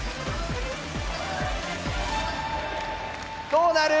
どうなる？